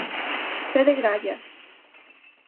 Fe de grallas.